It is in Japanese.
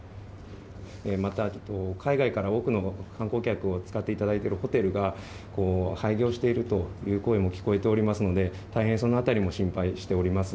また、海外から多くの観光客を使っていただいているホテルが、廃業しているという声も聞こえておりますので、大変そのあたりも心配しております。